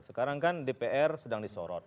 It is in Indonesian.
sekarang kan dpr sedang disorot